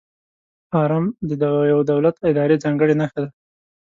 آرم د یو دولت، ادارې ځانګړې نښه ده.